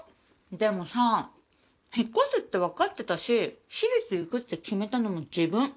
でもさぁ引っ越すってわかってたし私立行くって決めたのも自分。